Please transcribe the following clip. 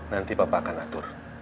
nanti papa akan atur